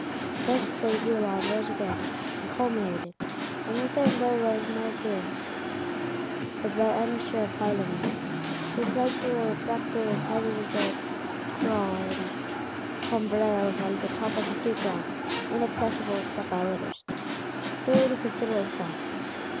Thus D'Aiguillon rose again, and culminated. And with him there rose Maupeou, the banisher of Parlements; who plants you a refractory President "at Croe in Combrailles on the top of steep rocks, inaccessible except by litters," there to consider himself.